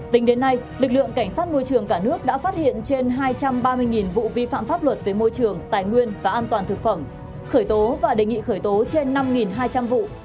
tính đến nay lực lượng cảnh sát môi trường cả nước đã phát hiện trên hai trăm ba mươi vụ vi phạm pháp luật về môi trường tài nguyên và an toàn thực phẩm khởi tố và đề nghị khởi tố trên năm hai trăm linh vụ